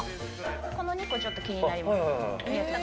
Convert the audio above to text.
この２個、ちょっと気になります。